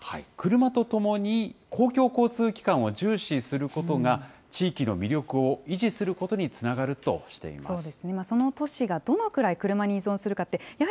車とともに公共交通機関を重視することが、地域の魅力を維持することにつながるとしています。